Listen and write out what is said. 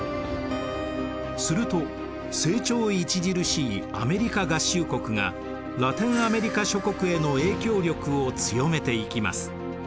すると成長著しいアメリカ合衆国がラテンアメリカ諸国への影響力を強めていきます。